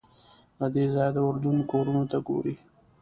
له دې ځایه د اردن کورونو ته ګورې.